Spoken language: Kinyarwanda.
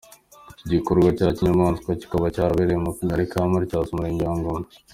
Iki gikorwa cya kinyamaswa kikaba cyarabereye mu kagari ka Matyazo Umurenge wa Ngoma.